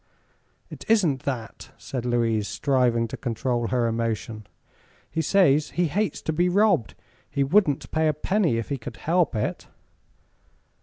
"It isn't that," said Louise, striving to control her emotion. "He says he hates to be robbed. He wouldn't pay a penny if he could help it."